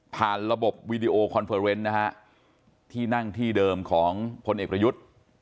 ระบบวีดีโอคอนเฟอร์เวนต์นะฮะที่นั่งที่เดิมของพลเอกประยุทธ์